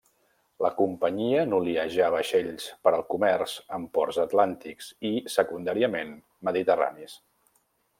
La companyia noliejà vaixells per al comerç amb ports atlàntics i, secundàriament, mediterranis.